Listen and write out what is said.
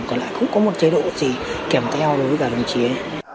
còn lại cũng có một chế độ gì kèm theo đối với cả đồng ký ấy